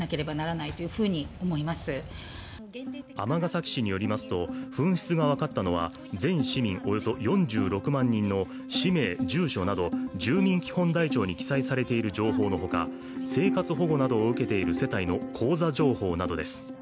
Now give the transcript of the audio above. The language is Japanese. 尼崎市によりますと、紛失が分かったのは、全市民およそ４６万人分の氏名、住所など住民基本台帳に記載されている情報のほか生活保護などを受けている世帯の口座情報などです。